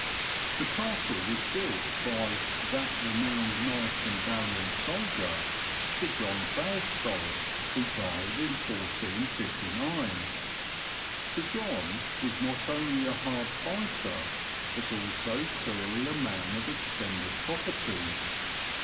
The castle was built by "that renowned knight and valiant soldier" Sir John Falstolf, who died in 1459. Sir John was not only a hard fighter, but also clearly a man of extended property.